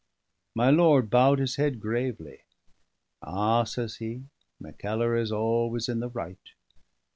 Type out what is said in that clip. My lord bowed his head gravely. "Ah!" says he, "Mackellar is always in the right.